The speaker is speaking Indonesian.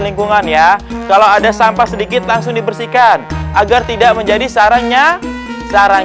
lingkungan ya kalau ada sampah sedikit langsung dibersihkan agar tidak menjadi sarangnya sarang